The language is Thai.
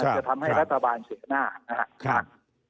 จะทำให้รัฐบาลเสียหน้า